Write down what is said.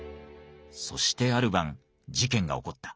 そしてある晩事件が起こった。